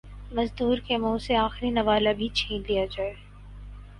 مزدور کے منہ سے آخری نوالہ بھی چھین لیا جائے